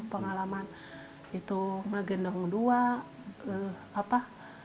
pengalaman itu menggendong dua